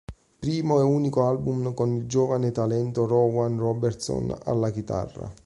Primo e unico album con il giovane talento Rowan Robertson alla chitarra.